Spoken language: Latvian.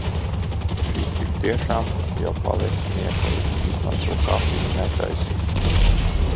Šis tik tiešām jau paliek smieklīgi, vismaz to kafiju netaisītu.